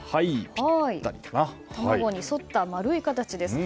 卵に沿った丸い形です。